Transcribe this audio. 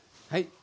はい。